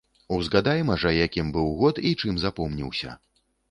Узгадайма жа, якім быў год і чым запомніўся.